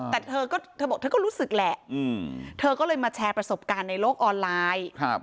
แต่เธอก็เธอบอกเธอก็รู้สึกแหละเธอก็เลยมาแชร์ประสบการณ์ในโลกออนไลน์